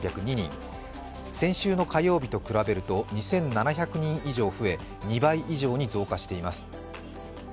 先週の火曜日と比べると２７８８人以上増え、２倍以上になっています。